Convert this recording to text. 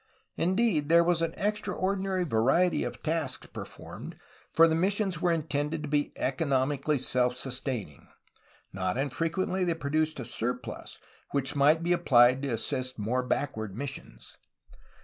Indeed, there was an extraordinary variety of tasks performed, for the missions were intended to be economically self sustaining; not infrequently they produced a surplus which might be appUed to assist more backward missions.